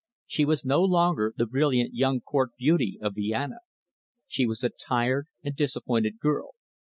She was no longer the brilliant young Court beauty of Vienna. She was a tired and disappointed girl.